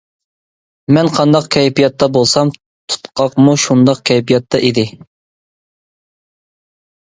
مەن قانداق كەيپىياتتا بولسام، تۇتقاقمۇ شۇنداق كەيپىياتتا ئىدى.